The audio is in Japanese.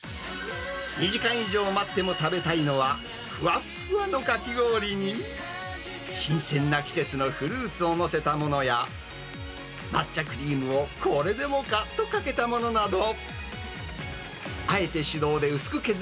２時間以上待っても食べたいのは、ふわっふわのかき氷に、新鮮な季節のフルーツを載せたものや、抹茶クリームをこれでもかとかけたものなど。